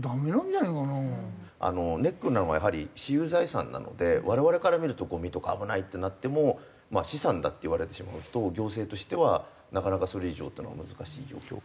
あのネックになるのがやはり私有財産なので我々から見るとゴミとか危ないってなってもまあ資産だって言われてしまうと行政としてはなかなかそれ以上っていうのは難しい状況がある。